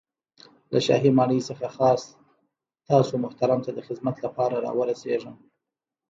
له شاهي ماڼۍ څخه خاص تاسو محترم ته د خدمت له پاره را ورسېږم.